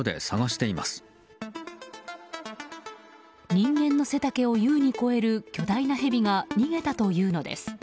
人間の背丈を優に超える巨大なヘビが逃げたというのです。